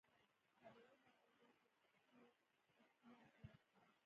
څلورمه ورځ راشه چې ټکونه دې خلاص کړم.